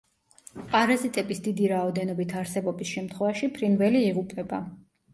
პარაზიტების დიდი რაოდენობით არსებობის შემთხვევაში ფრინველი იღუპება.